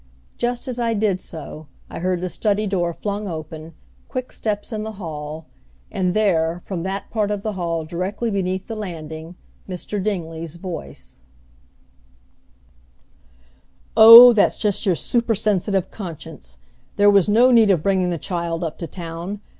Just as I did so, I heard the study door flung open, quick steps in the hall, and there, from that part of the hall directly beneath the landing, Mr. Dingley's voice: "Oh, that's just your supersensitive conscience! There was no need of bringing the child up to town.